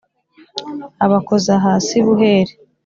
abakoza hasi buhere.